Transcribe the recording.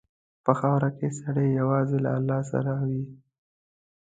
په خاوره کې سړی یوازې له الله سره وي.